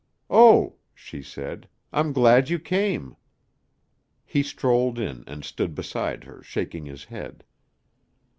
"Oh," she said, "I'm glad you came." He strolled in and stood beside her shaking his head.